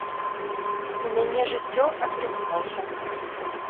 У мяне жыццё атрымалася.